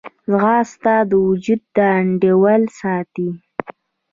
ځغاسته د وجود انډول ساتي